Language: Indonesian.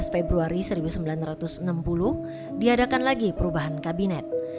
tujuh belas februari seribu sembilan ratus enam puluh diadakan lagi perubahan kabinet